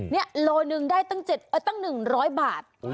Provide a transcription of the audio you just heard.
นี่โลหนึ่งได้ตั้ง๑๐๐บาท